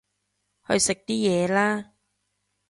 去食啲嘢啦